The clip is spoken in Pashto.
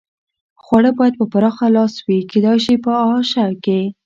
خواړه باید په پراخه لاس وي، کېدای شي په اعاشه کې.